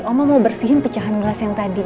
oma mau bersihin pecahan gelas yang tadi